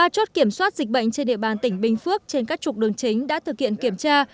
ba chốt kiểm soát dịch bệnh trên địa bàn tỉnh bình phước trên các trục đường chính đã thực hiện kiểm tra